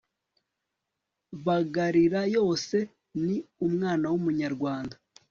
bagarira yose ni umwana w'umunyarwanda